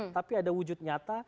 tapi ada wujud nyata